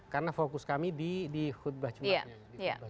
karena fokus kami di khutbah jemaah